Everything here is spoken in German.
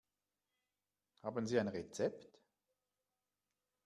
Haben Sie ein Rezept?